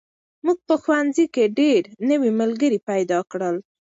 موږ په ښوونځي کې ډېر نوي ملګري پیدا کړل.